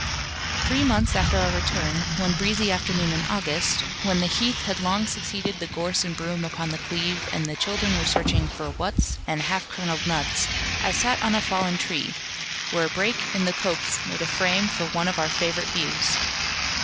Three months after our return, one breezy afternoon in August, when the heath had long succeeded the gorse and broom upon the cleve, and the children were searching for "wuts" and half kerneled nuts, I sat on a fallen tree, where a break in the copse made a frame for one of our favourite views.